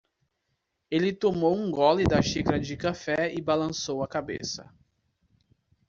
Ele tomou um gole da xícara de café e balançou a cabeça.